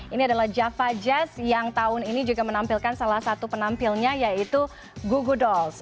ini adalah java jazz yang tahun ini juga menampilkan salah satu penampilnya yaitu gugu dols